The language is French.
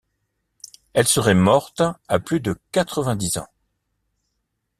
Elle serait morte à plus de quatre-vingt-dix ans.